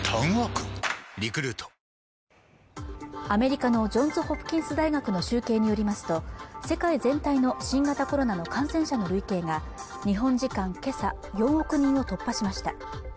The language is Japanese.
アメリカのジョンズ・ホプキンス大学の集計によりますと世界全体の新型コロナの感染者の累計が日本時間けさ４億人を突破しました